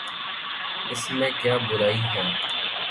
اس میں کیا برائی ہے؟